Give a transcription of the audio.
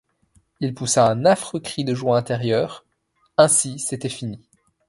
Il poussa un affreux cri de joie intérieure. — Ainsi, c’était fini.